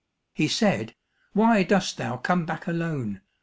He said, "Why dost thou come back alone?